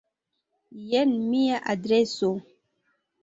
Jen mia adreso.